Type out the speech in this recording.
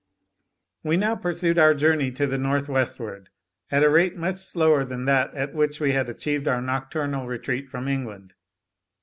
We now pursued our journey to the north westward, at a rate much slower than that at which we had achieved our nocturnal retreat from England.